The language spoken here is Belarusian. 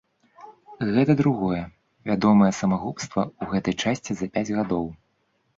Гэта другое вядомае самагубства ў гэтай часці за пяць гадоў.